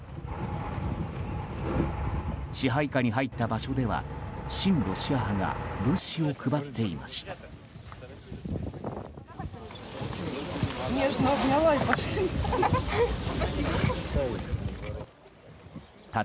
支配下に入った場所では親ロシア派が物資を配っていました。